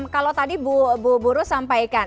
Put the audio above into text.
kalau tadi bu buru sampaikan